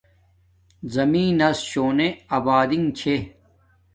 زمین نس شونے آبادینگ چھے